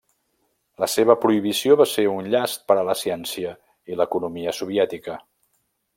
La seva prohibició va ser un llast per a la ciència i l'economia soviètica.